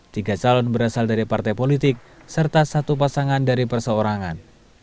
tiga calon berasal dari partai politik serta satu pasangan dari perseorangan